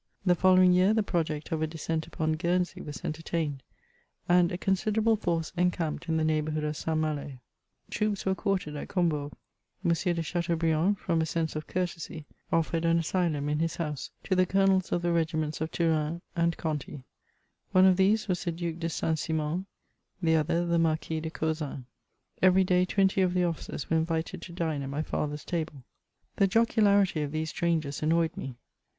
The following year the project of a descent upon Guernsey was entertained, and a considerable force encamped in the neighbourhood of St. Malo. Troops were quartered at Combourg. M. de Chateaubriand, from a sense of courtesy, offered an asylum, in his house, to the Colonels of the regiments of Touraine and Conti ; one of these was the Duke de St Simon, the other the Marquis de Causans.* Every day twenty of the officers were invited to dine at my father's table. The jocularity of these strangers annoyed me.